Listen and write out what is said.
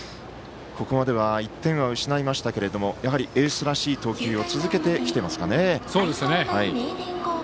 ここまでは１点は失いましたけれどもやはりエースらしい投球を続けてきてますかね。